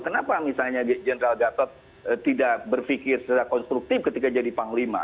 kenapa misalnya general gatot tidak berpikir secara konstruktif ketika jadi panglima